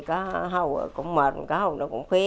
có hầu cũng mệt có hầu nó cũng khóe